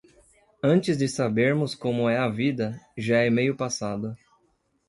Antes de sabermos como é a vida, já é meio passado.